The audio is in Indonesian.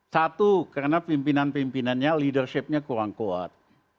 satu karena pimpinan pimpinannya leadershipnya kurang kuat